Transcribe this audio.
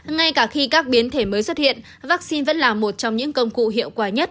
ngay cả khi các biến thể mới xuất hiện vaccine vẫn là một trong những công cụ hiệu quả nhất